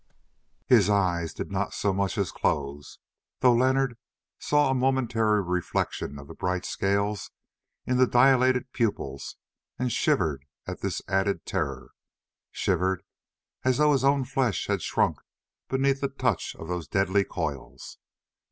His eyes did not so much as close, though Leonard saw a momentary reflection of the bright scales in the dilated pupils and shivered at this added terror, shivered as though his own flesh had shrunk beneath the touch of those deadly coils.